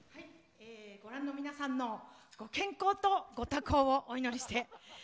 ご覧の皆さんの健康とご多幸をお祈りして。